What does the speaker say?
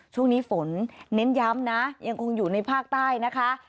ช่วงนี้ฝนเน้นย้ำนะยังคงอยู่ในภาคใต้นะคะ